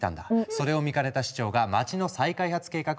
それを見かねた市長が街の再開発計画を打ち出した。